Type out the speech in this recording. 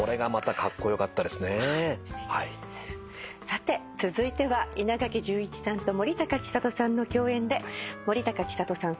さて続いては稲垣潤一さんと森高千里さんの共演で森高千里さん